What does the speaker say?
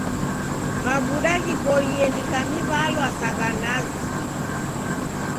Mavuda ghiboie ni gha miw'alwa sa gha nazi.